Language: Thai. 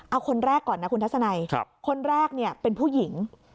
เอาคนแรกก่อนนะคุณทัศนัยคนแรกเนี่ยเป็นผู้หญิง